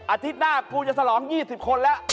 อาทิตย์หน้ากูจะฉลอง๒๐คนแล้ว